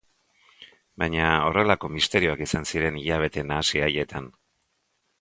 Baina horrelako misterioak izan ziren hilabete nahasi haietan.